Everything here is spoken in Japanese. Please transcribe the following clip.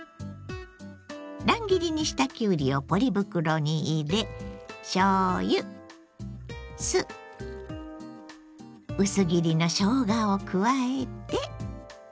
乱切りにしたきゅうりをポリ袋に入れしょうゆ酢薄切りのしょうがを加えて。